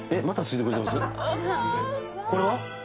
これは？